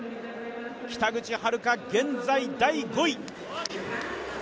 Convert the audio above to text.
北口榛花、現在第５位。